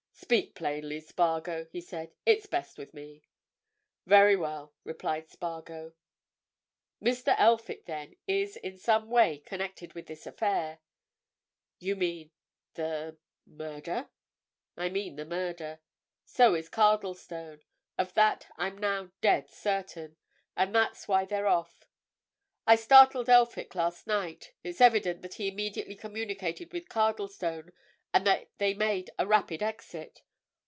"Speak plainly, Spargo!" he said. "It's best with me." "Very well," replied Spargo. "Mr. Elphick, then, is in some way connected with this affair." "You mean the—murder?" "I mean the murder. So is Cardlestone. Of that I'm now dead certain. And that's why they're off. I startled Elphick last night. It's evident that he immediately communicated with Cardlestone, and that they made a rapid exit.